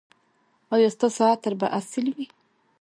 ایا ستاسو عطر به اصیل وي؟